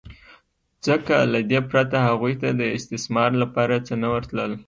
ځکه له دې پرته هغوی ته د استثمار لپاره څه نه ورتلل